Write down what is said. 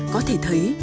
có thể thấy